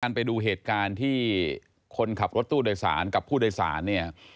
ไปดูเหตุการณ์ที่คนขับรถตู้โดยสารกับผู้โดยสารเนี่ย